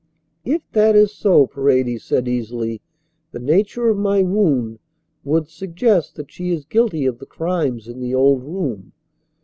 "If that is so," Paredes said easily, "the nature of my wound would suggest that she is guilty of the crimes in the old room.